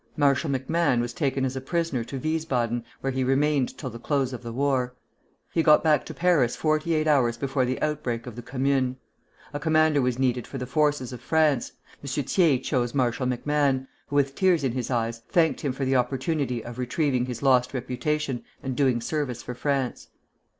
Marshal MacMahon was taken as a prisoner to Wiesbaden, where he remained till the close of the war. He got back to Paris forty eight hours before the outbreak of the Commune. A commander was needed for the forces of France. M. Thiers chose Marshal MacMahon, who with tears in his eyes thanked him for the opportunity of retrieving his lost reputation and doing service for France.